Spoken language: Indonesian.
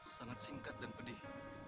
sangat singkat dan pedih